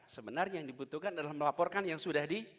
sebenarnya yang dibutuhkan adalah melaporkan yang sudah di